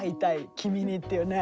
きみに」っていうね。